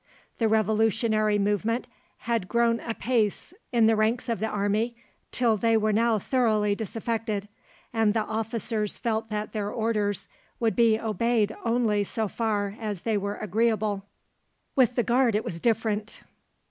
The revolutionary movement had grown apace in the ranks of the army, till they were now thoroughly disaffected, and the officers felt that their orders would be obeyed only so far as they were agreeable. With the Guard it was different.